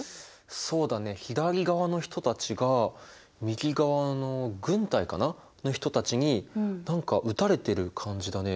そうだね左側の人たちが右側の軍隊かな？の人たちに何か撃たれてる感じだね。